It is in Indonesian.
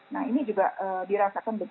nah ini juga dirasakan